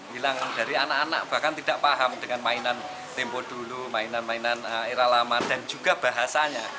hilang dari anak anak bahkan tidak paham dengan mainan tempo dulu mainan mainan era lama dan juga bahasanya